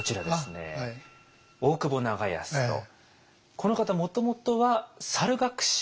この方もともとは猿楽師。